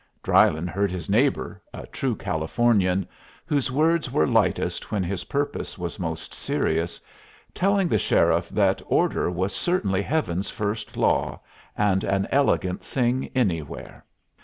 Drylyn heard his neighbor, a true Californian, whose words were lightest when his purpose was most serious, telling the sheriff that order was certainly Heaven's first law, and an elegant thing anywhere.